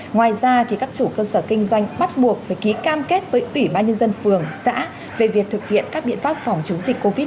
ngoài ra các chủ cơ sở kinh doanh bắt buộc phải ký cam kết với ủy ban nhân dân phường xã về việc thực hiện các biện pháp phòng chống dịch covid một mươi chín